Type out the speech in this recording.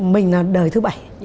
mình là đời thứ bảy